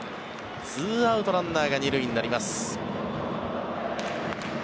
２アウト、ランナーが２塁になります。